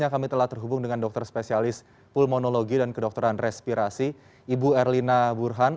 kami telah terhubung dengan dokter spesialis pulmonologi dan kedokteran respirasi ibu erlina burhan